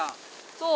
そう。